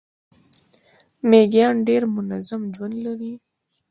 میږیان ډیر منظم ژوند لري